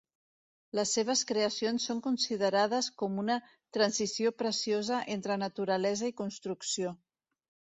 Les seves creacions són considerades com una transició preciosa entre naturalesa i construcció.